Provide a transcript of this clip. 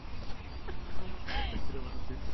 Algo bueno haría.